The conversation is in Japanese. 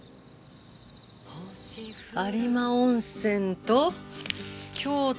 有馬温泉と京都の祇園。